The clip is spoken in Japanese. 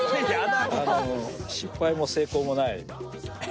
失敗も成功もない。